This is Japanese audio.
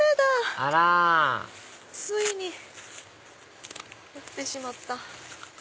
あらついに降ってしまった。